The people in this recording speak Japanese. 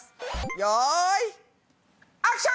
よいアクション！